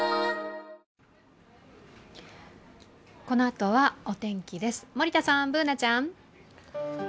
このあとはお天気です、森田さん、Ｂｏｏｎａちゃん。